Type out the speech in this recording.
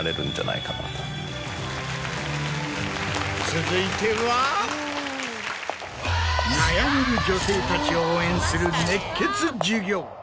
続いては悩める女性たちを応援する熱血授業。